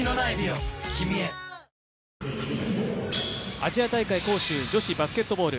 アジア大会杭州、女子バスケットボール。